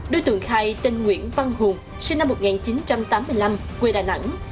đối tượng khai tên nguyễn văn hùng sinh năm một nghìn chín trăm tám mươi năm quê đà nẵng